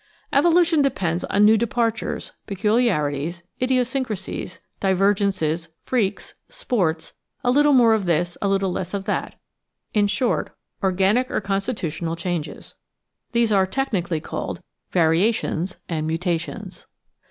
Evolution depends on new departures, peculiarities, idio syncrasies, divergences, freaks, sports, a little more of this, a little less of that — ^in short, organic or constitutional changes. These are technically called variations and mutations.